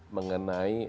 mengenai yang sepertinya